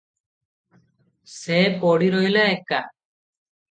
ସେ ପଡ଼ି ରହିଲା ଏକା ।